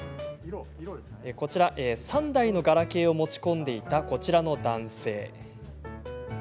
３台のガラケーを持ち込んでいたこちらの男性。